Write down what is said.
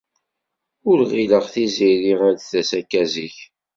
Ur ɣileɣ Tiziri ad d-tas akka zik.